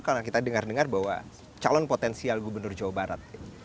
karena kita dengar dengar bahwa calon potensial gubernur jawa barat